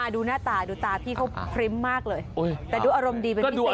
ดูหน้าตาดูตาพี่เขาพริ้มมากเลยแต่ดูอารมณ์ดีเป็นพิเศษ